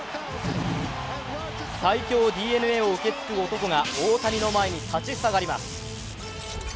最強ＤＮＡを受け継ぐ男が大谷の前に立ち塞がります。